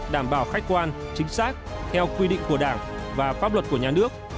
đảm bảo khách quan chính xác theo quy định của đảng và pháp luật của nhà nước